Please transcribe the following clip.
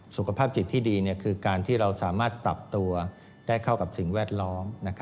สุขภาพจิตที่ดีคือการที่เราสามารถปรับตัวได้เข้ากับสิ่งแวดล้อม